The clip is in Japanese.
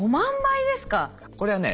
これはね